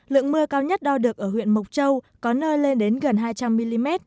lượng mưa cao nhất đo được ở huyện mộc châu có nơi lên đến gần hai trăm linh mm